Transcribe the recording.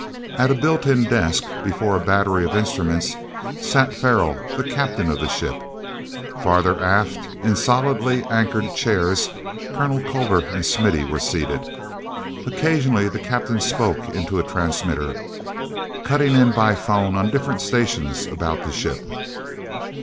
At a built in desk, before a battery of instruments, sat Farrell, the captain of the ship. Farther aft, in solidly anchored chairs, Colonel Culver and Smithy were seated. Occasionally the captain spoke into a transmitter, cutting in by phone on different stations about the ship.